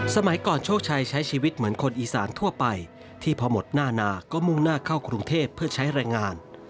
สมัยก่อนโชคชัยใช้ชีวิตเหมือนคนอีสานทั่วไปที่พอหมดหน้านาก็มุ่งหน้าเข้ากรุงเทพเพื่อใช้แรงงาน